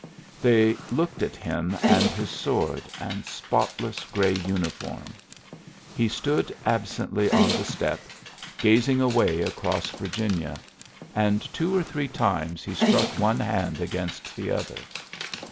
They looked at him and his sword and spotless grey uniform. He stood absently on the step, gazing away iiOrary ^oii 126 ULYSSES S. GEANT across Virginia 5 and two or three times he struck one hand against the other.